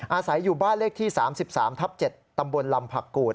อาศัยอยู่บ้านเลขที่๓๓ทับ๗ตำบลลำผักกูด